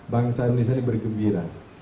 bangsa indonesia ini bergembira